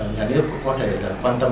nhà nước có thể quan tâm